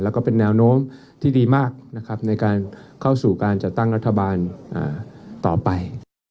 แล้วก็เป็นแนวโน้มที่ดีมากนะครับในการเข้าสู่การจัดตั้งรัฐบาลต่อไป